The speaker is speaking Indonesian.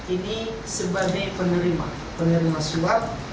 ini sebagai penerima penerima suap